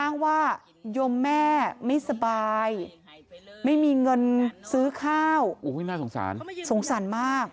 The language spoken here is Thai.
อ้างว่ายมแม่ไม่สบายไม่มีเงินซื้อข้าวน่าสงสารสงสารมาก